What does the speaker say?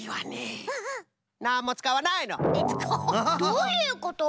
どういうこと？